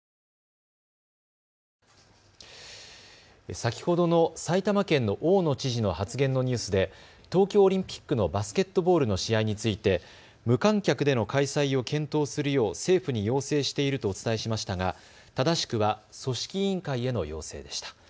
先ほどの埼玉県の大野知事の発言のニュースで東京オリンピックのバスケットボールの試合について無観客での開催を検討するよう政府に要請しているとお伝えしましたが正しくは組織委員会への要請でした。